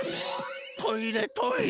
トイレトイレ。